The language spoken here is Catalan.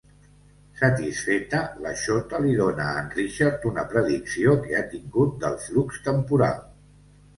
Satisfeta, la Shota li dona a en Richard una predicció que ha tingut del flux temporal.